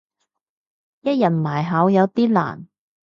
一日埋口有啲難